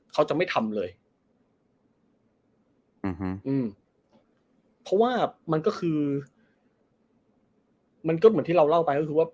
เขาจะไม่ทำเลยอืมเพราะว่ามันก็คือมันก็เหมือนที่เราเล่าไปก็คือว่า